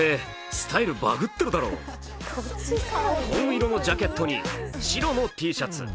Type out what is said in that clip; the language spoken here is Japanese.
紺色のジャケットに白のＴシャツ。